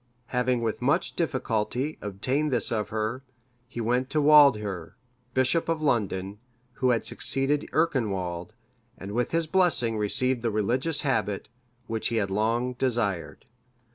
Having with much difficulty obtained this of her, he went to Waldhere, bishop of London, who had succeeded Earconwald,(588) and with his blessing received the religious habit, which he had long desired.